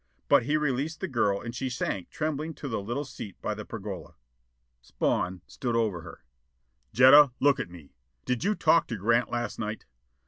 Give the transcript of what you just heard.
But he released the girl and she sank trembling to the little seat by the pergola. Spawn stood over her. "Jetta, look at me! Did you meet did you talk to Grant last night?"